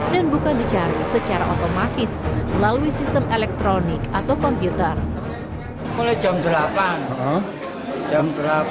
dan bukan dicari secara otomatis melalui sistem elektronik atau komputer mulai jam delapan jam delapan